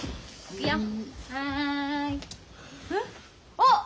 あっ！